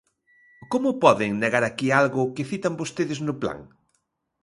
¿Como poden negar aquí algo que citan vostedes no plan?